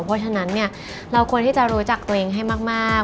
เพราะฉะนั้นเนี่ยเราควรที่จะรู้จักตัวเองให้มาก